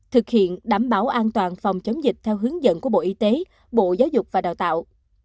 thực hiện đảm bảo an toàn phòng chống dịch theo hướng dẫn của bộ y tế bộ giáo dục và đào tạo